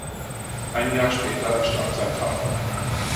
Ein Jahr später starb sein Vater.